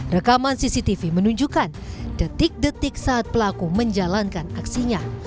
rekaman cctv menunjukkan detik detik saat pelaku menjalankan aksinya